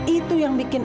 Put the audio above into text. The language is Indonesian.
itu yang bikin